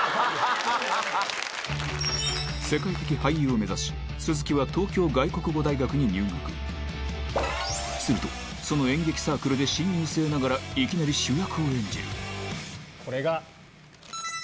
世界的俳優を目指し鈴木はするとその演劇サークルで新入生ながらいきなり主役を演じるこれが。